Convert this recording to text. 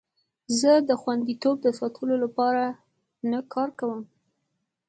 زه د خوندیتوب د ساتلو لپاره نه کار کوم.